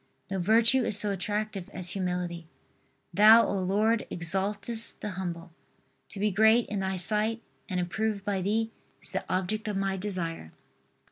No virtue is so attractive as humility. Thou, O Lord, exaltest the humble. To be great in Thy sight and approved by Thee is the object of my desire.